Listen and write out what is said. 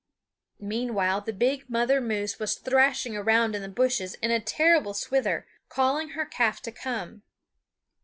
Meanwhile the big mother moose was thrashing around in the bushes in a terrible swither, calling her calf to come.